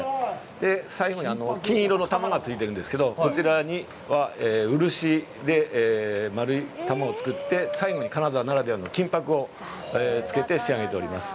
最後に金色の玉がついているんですけども、こちらには、漆で丸い玉を作って、最後に金沢ならではの金箔をつけて仕上げております。